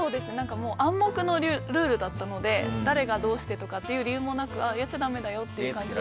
暗黙のルールだったので誰がどうしてとかっていう理由もなくやっちゃダメだよという感じで。